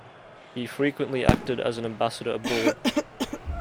He frequently acted as an ambassador abroad.